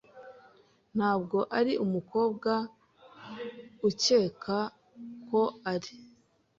Ntabwo ari umukobwa ukeka ko ari.